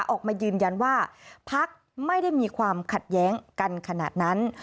ออกมายืนยันว่าพักไม่ได้มีความขัดแย้งกันขนาดนั้น